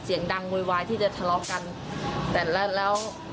เสียงดังวุยวายที่จะทะเลาะกัน